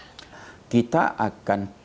kita akan terus menjadi mitra strategis pemerintah